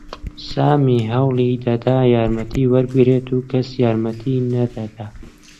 سامی هەوڵی دەدا یارمەتی وەربگرێت و کەس یارمەتیی نەدەدا.